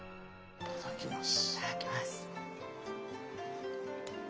いただきます。